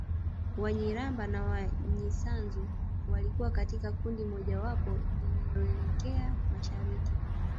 Wanyiramba na Wanyisanzu walikuwa katika kundi mojawapo lililoelekea mashariki